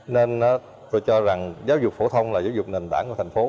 nên tôi cho rằng giáo dục phổ thông là giáo dục nền tảng của thành phố